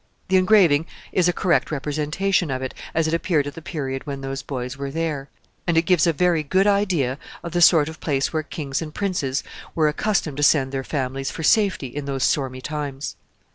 The engraving is a correct representation of it, as it appeared at the period when those boys were there, and it gives a very good idea of the sort of place where kings and princes were accustomed to send their families for safety in those stormy times.